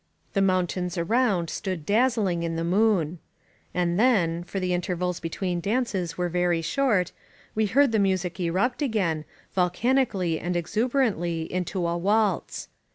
The mountains around stood dazzling in the moon. And then, for the intervals between dances were very short, we heard the music erupt again, volcanically and exu* berantly, into a waltz.